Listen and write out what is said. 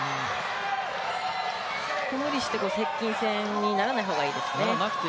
無理して接近戦にならない方がいいですね。